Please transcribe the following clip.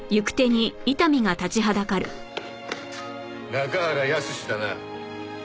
中原靖だな。